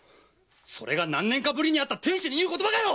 それが何年かぶりに会った亭主に言う言葉かよ！